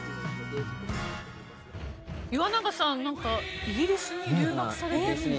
岩永さんなんかイギリスに留学されてるんですって？